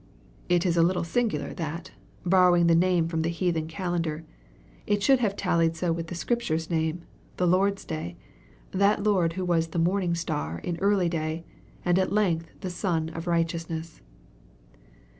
"It is a little singular that, borrowing the name from the heathen calendar, it should have tallied so well with the Scripture name, the Lord's day that Lord who was the Morning Star in early day, and at length the Sun of Righteousness!